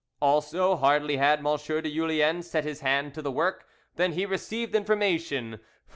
Also hardly had M. de Julien set his hand to the work than he received information from M.